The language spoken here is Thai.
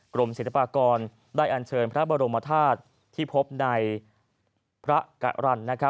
กรมศิลปากรได้อันเชิญพระบรมธาตุที่พบในพระกรรณ